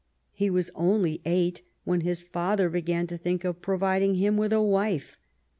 He was only eight when his father began to think of providing him with a wife.